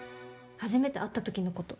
初めて会った時のこと。